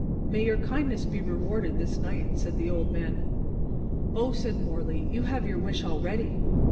"May your kindness be rewarded this night," said the old man. "Oh," said Morley, "you have your wish already.